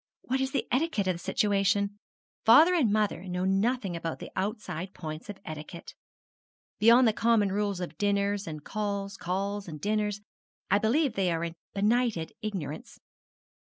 What is the etiquette of the situation? Father and mother know nothing about outside points of etiquette. Beyond the common rules of dinners and calls, calls and dinners, I believe they are in benighted ignorance.